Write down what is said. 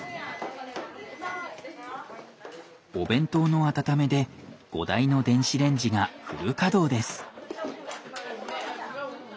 お弁当の温めで５台の電子レンジがフル稼働です。